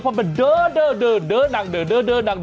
เพราะมันเดอะเด้อหนังเดอะ